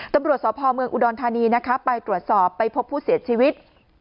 ตำรวจสพเมืองอุดรธานีนะคะไปตรวจสอบไปพบผู้เสียชีวิต